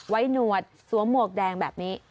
หนวดสวมหมวกแดงแบบนี้